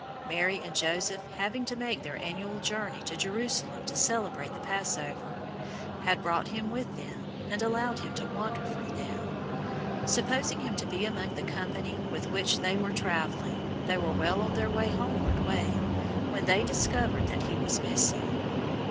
Mary and Joseph having to make their annual journey to Jerusalem to celebrate the Passover, had brought him with them, and allowed him to wander from them. Supposing him to be among the company with which they were travelling, they were well on their homeward way, when they discovered that he was missing.